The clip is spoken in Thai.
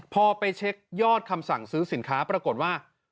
พอไปเช็คยอดคำสั่งซื้อสินค้าปรากฏว่า